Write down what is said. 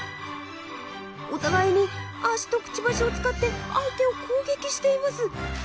お互いに足とクチバシを使って相手を攻撃しています。